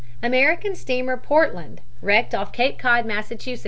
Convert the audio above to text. American steamer Portland, wrecked off Cape Cod, Mass.